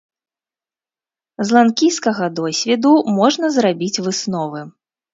З ланкійскага досведу можна зрабіць высновы.